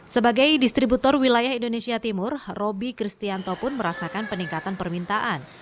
sebagai distributor wilayah indonesia timur roby kristianto pun merasakan peningkatan permintaan